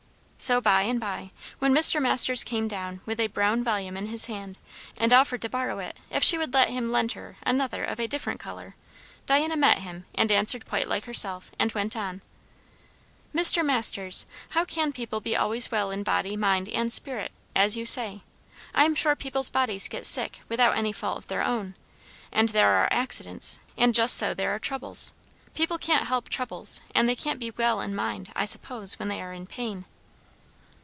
So by and by, when Mr. Masters came down with a brown volume in his hand, and offered to borrow it if she would let him lend her another of different colour, Diana met him and answered quite like herself, and went on "Mr. Masters, how can people be always well in body, mind, and spirit, as you say? I am sure people's bodies get sick without any fault of their own; and there are accidents; and just so there are troubles. People can't help troubles, and they can't be 'well' in mind, I suppose, when they are in pain?"